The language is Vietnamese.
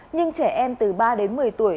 nhưng trẻ em từ ba đến một mươi tuổi